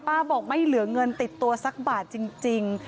บอกไม่เหลือเงินติดตัวสักบาทจริง